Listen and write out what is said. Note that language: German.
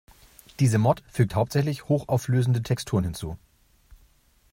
Diese Mod fügt hauptsächlich hochauflösende Texturen hinzu.